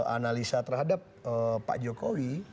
analisa terhadap pak jokowi